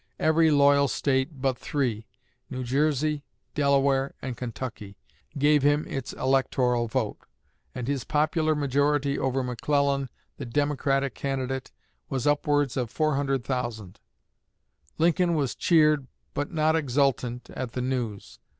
Every loyal State but three New Jersey, Delaware, and Kentucky gave him its electoral vote; and his popular majority over McClellan, the Democratic candidate, was upwards of 400,000. Lincoln was cheered but not exultant at the news.